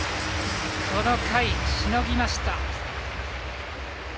この回、しのぎました。